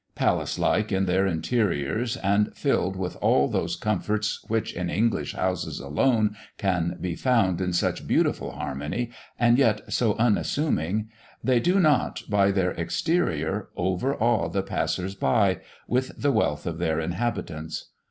Palace like in their interiors, and filled with all those comforts which in English houses alone can be found in such beautiful harmony, and yet so unassuming, they do not, by their exterior, overawe the passers by with the wealth of their inhabitants.